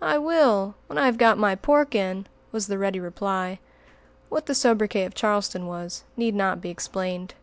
"I will, when I have got my pork in," was the ready reply. What the sobriquet of Charlestown was, need not be explained.